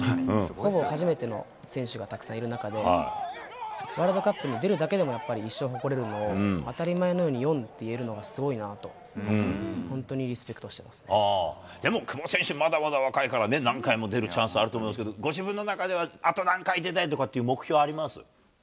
ほぼ初めての選手がたくさんいる中で、ワールドカップに出るだけでもやっぱり一生誇れるのを、当たり前のように４って言えるのがすごいなと、本当にリスペクトしていまでも久保選手、まだまだ若いからね、何回も出るチャンスあると思いますけど、ご自分の中では、あと何回出たいとかっていう目標あります？